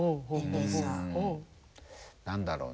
何だろうな？